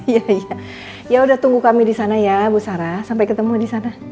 iya udah tunggu kami disana ya bu sarah sampai ketemu disana